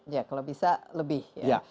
ya kalau bisa lebih ya